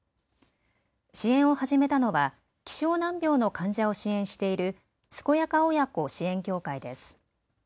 支援を始めたのは希少難病の患者を支援している健やか親子支援協会です。